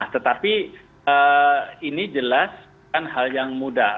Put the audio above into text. tetapi ini jelas bukan hal yang mudah